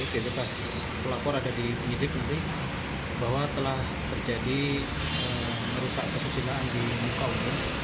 di dekas pelapor ada di bidik bahwa telah terjadi merusak kesusilaan di muka udun